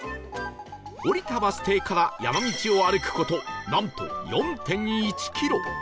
降りたバス停から山道を歩く事なんと ４．１ キロ